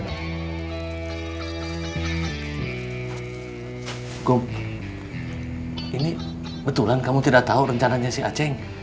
gop ini betulan kamu tidak tahu rencananya si aceh